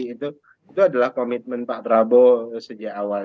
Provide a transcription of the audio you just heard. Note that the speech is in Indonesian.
itu adalah komitmen pak prabowo sejak awal